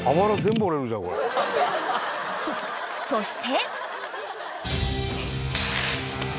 ［そして］